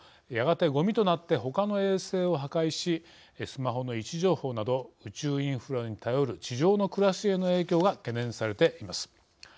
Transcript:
やがて、ごみとなってほかの衛星を破壊しスマホの位置情報など宇宙インフラに頼る地上の暮らしへの影響が懸念されています。